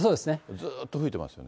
ずっと吹いてますね。